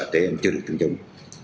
trẻ em chưa được tiêm chủng